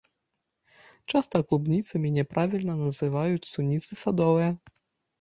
Часта клубніцамі няправільна называюць суніцы садовыя.